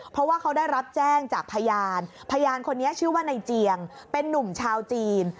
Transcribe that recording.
เพราะว่าเขาได้รับแจ้งจากพยานพยานคนนี้ชื่อว่าในเจียงเป็นนุ่มชาวจีน